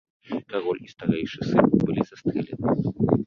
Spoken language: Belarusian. Кароль і старэйшы сын былі застрэлены.